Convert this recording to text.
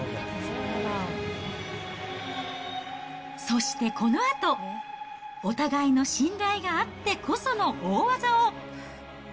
そしてこのあと、お互いの信頼があってこその大技を。